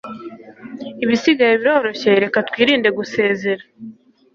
Ibisigaye biroroshye reka twirinde gusezera